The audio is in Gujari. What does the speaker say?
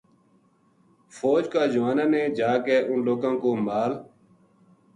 فوج کا جواناں نے جا کے اُنھ لوکاں کو مال